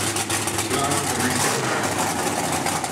Gross Domestic Product.